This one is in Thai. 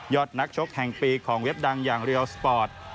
นักชกแห่งปีของเว็บดังอย่างเรียลสปอร์ต